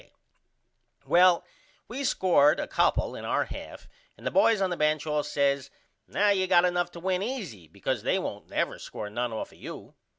K. Well we scored a couple in our half and the boys on the bench all says Now you got enough to win easy because they won't never score none off of you.